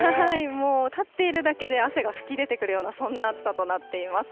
もう立っているだけで汗が噴き出てくるような、そんな暑さとなっています。